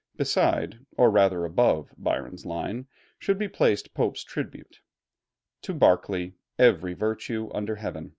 Beside, or rather above, Byron's line should be placed Pope's tribute: "To Berkeley, every virtue under Heaven."